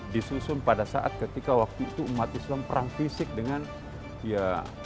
disusun pada saat ketika waktu itu umat islam perang fisik dengan ya